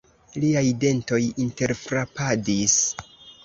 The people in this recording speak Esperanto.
Liaj dentoj interfrapadis.